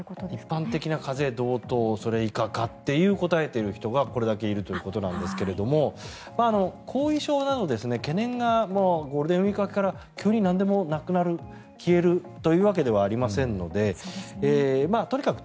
一般的な風邪同等それ以下かと答えている人がこれだけいるということですが後遺症など、懸念がゴールデンウィーク明けから急になんでもなくなる消えるわけではありませんのでとにかく